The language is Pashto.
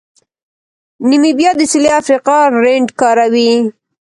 نیمیبیا د سویلي افریقا رینډ کاروي.